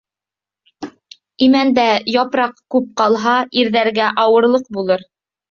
Имәндә япраҡ күп ҡалһа, ирҙәргә ауырлыҡ булыр.